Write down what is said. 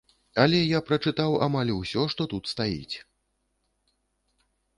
Але я прачытаў амаль усё, што тут стаіць.